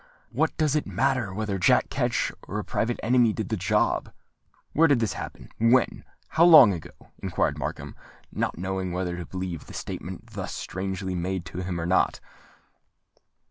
What does it matter whether Jack Ketch or a private enemy did the job?" "Where did this happen? when?—how long ago?" inquired Markham, not knowing whether to believe the statement thus strangely made to him, or not.